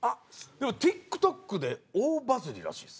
ＴｉｋＴｏｋで大バズリらしいです。